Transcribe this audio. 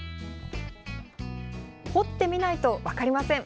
掘ってみないと分かりません。